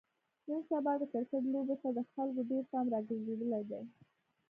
نن سبا د کرکټ لوبې ته د خلکو ډېر پام راگرځېدلی دی.